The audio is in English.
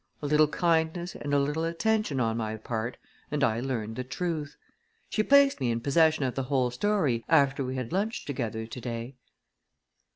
A little kindness and a little attention on my part, and I learned the truth. She placed me in possession of the whole story after we had lunched together to day."